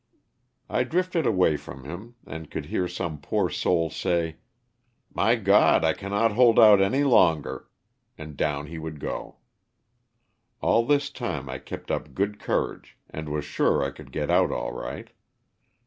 '^ I drifted away from him, and could hear some poor soul say, '* My God, I cannot hold out any longer," and down he would go. All this time I kept up good courage and was sure I could get out all right.